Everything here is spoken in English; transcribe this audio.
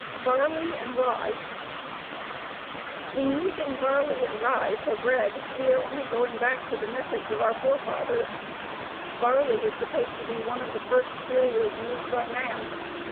Barley and Rye. In using barley and rye for bread we are only going back to the methods of our forefathers. Barley is supposed to be one of the first cereals used by man.